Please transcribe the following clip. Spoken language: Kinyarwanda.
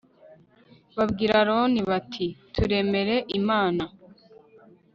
babwira aroni bati turemere imana